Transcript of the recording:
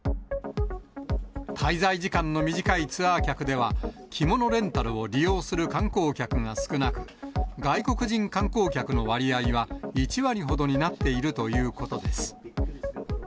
滞在時間の短いツアー客では、着物レンタルを利用する観光客が少なく、外国人観光客の割合は、１割ほどになっているということです。